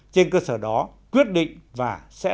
trên cơ sở đó quyết định và sẽ